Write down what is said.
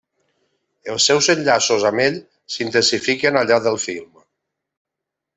Els seus enllaços amb ell s'intensifiquen al llarg del film.